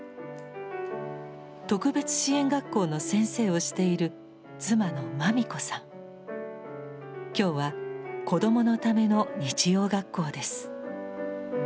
特別支援学校の先生をしている今日は子どものための日曜学校です。